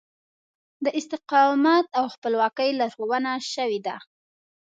د استقامت او خپلواکي لارښوونه شوې ده.